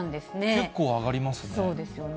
結構上がりますね。